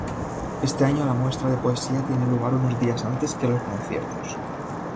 Este año la muestra de poesía tiene lugar unos días antes que los conciertos.